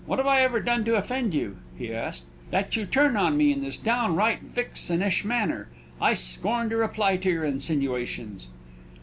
"What have I ever done to offend you," he asked, "that you turn on me in this downright vixenish manner? I scorn to reply to your insinuations!"